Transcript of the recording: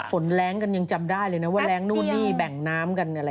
แรงกันยังจำได้เลยนะว่าแรงนู่นนี่แบ่งน้ำกันอะไร